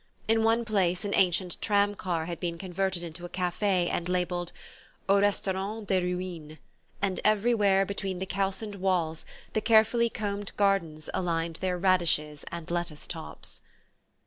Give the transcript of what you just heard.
In one place an ancient tram car had been converted into a cafe and labelled: "Au Restaurant des Ruines"; and everywhere between the calcined walls the carefully combed gardens aligned their radishes and lettuce tops.